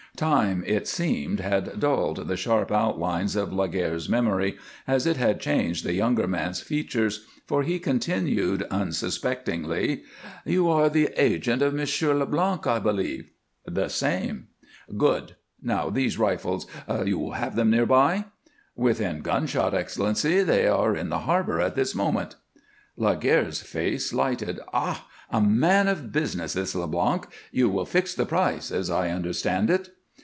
Time, it seemed, had dulled the sharp outlines of Laguerre's memory as it had changed the younger man's features, for he continued, unsuspectingly: "You are the agent of Monsieur Leblanc, I believe." "The same." "Good! Now these rifles you have them near by?" "Within gunshot, Excellency. They are in the harbor at this moment." Laguerre's face lighted. "Ha! A man of business, this Leblanc. You will fix the price, as I understand it."